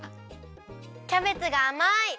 キャベツがあまい！